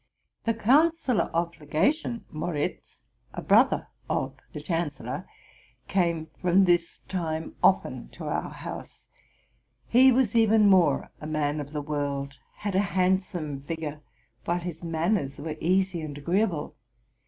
The counsellor of legation, Moritz, a brother of the chan cellor, came from this time often to our house. He was even more a man of the world, had a handsome figure, while his manners were easy and agreeable.